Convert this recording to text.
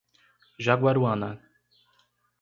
Jaguaruana